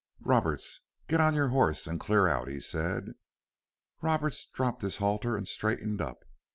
"Roberts, get on your horse and clear out," he said. Roberts dropped his halter and straightened up.